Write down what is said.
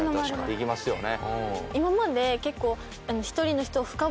できますよね。